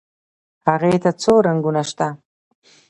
هغې ته څو رنګونه شته.